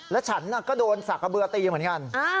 แล้วฉันก็โดนสากะเบือตีเหมือนกัน